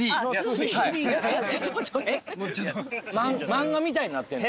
漫画みたいになってんの。